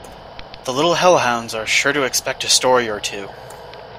The little hell hounds are sure to expect a story or two.